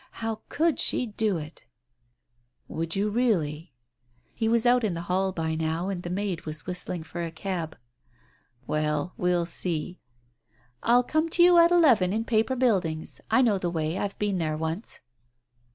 How could she do it ! "Would you really?" He was out in the hall by now, and the maid was whistling for a cab. "Well, we'll see !" "I'll come to you at eleven in Paper Buildings. I know the way. I've been there once."